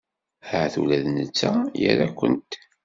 Ahat ula d netta ira-kent.